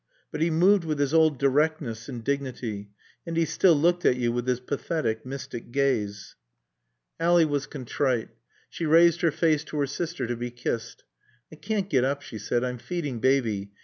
But he moved with his old directness and dignity, and he still looked at you with his pathetic, mystic gaze. Ally was contrite; she raised her face to her sister to be kissed. "I can't get up," she said, "I'm feeding Baby.